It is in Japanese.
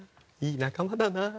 いい仲間だなあ。